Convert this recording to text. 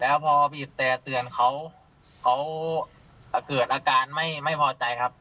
แล้วพอบีบแต่เตือนเขาเขาเกิดอาการไม่พอใจครับ